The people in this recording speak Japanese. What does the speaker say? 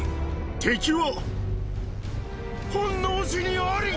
敵は本能寺にあり！